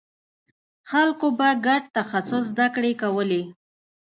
خلکو به ګډ تخصص زدکړې کولې.